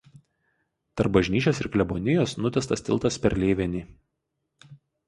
Tarp bažnyčios ir klebonijos nutiestas tiltas per Lėvenį.